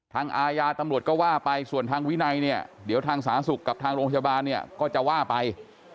อาญาตำรวจก็ว่าไปส่วนทางวินัยเนี่ยเดี๋ยวทางสาธารณสุขกับทางโรงพยาบาลเนี่ยก็จะว่าไป